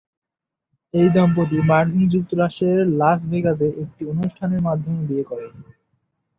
এই দম্পতি মার্কিন যুক্তরাষ্ট্রের লাস ভেগাসে একটি অনুষ্ঠানের মাধ্যমে বিয়ে করেন।